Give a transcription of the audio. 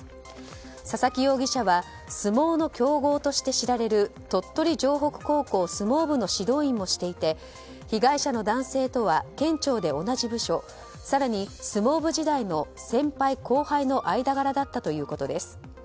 佐々木容疑者は相撲の強豪として知られる鳥取城北高校相撲部の指導員もしていて被害者の男性とは県庁で同じ部署更に相撲部時代の先輩・後輩の間柄だったということです。